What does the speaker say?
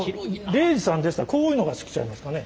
礼二さんでしたらこういうのが好きちゃいますかね？